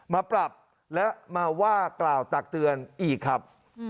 มาปรับและมาว่ากล่าวตักเตือนอีกครับ